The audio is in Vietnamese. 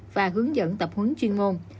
và hướng dẫn tập hướng chuyên ngôn